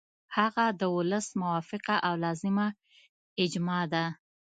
هغه د ولس موافقه او لازمه اجماع ده.